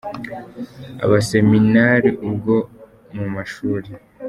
Abaseminari ubwo mu mashuri